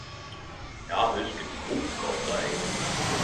Ja husker Coop korta ein gang..